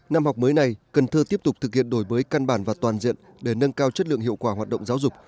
năm học mới này cần thơ tiếp tục thực hiện đổi mới căn bản và toàn diện để nâng cao chất lượng hiệu quả hoạt động giáo dục